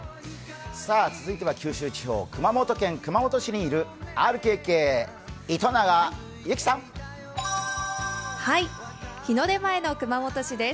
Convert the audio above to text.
続いては九州地方、熊本県熊本市にいるＲＫＫ・糸永有希さん。日の出前の熊本市です。